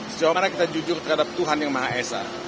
sejauh mana kita jujur terhadap tuhan yang maha esa